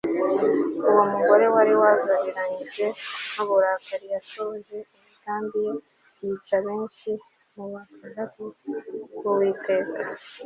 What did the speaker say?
Uwo mugore wari wazabiranyijwe nuburakari yasohoje imigambi ye yica benshi mu bagaragu bUwiteka